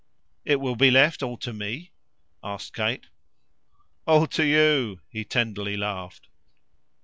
"It will be left all to me?" asked Kate. "All to you!" he tenderly laughed.